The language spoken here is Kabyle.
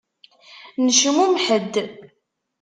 Necmumeḥ-d.